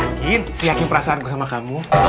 yakin si yakin perasaanku sama kamu